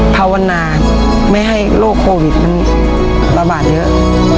ภาวนาไม่ให้โรคโควิดมันระบาดเยอะ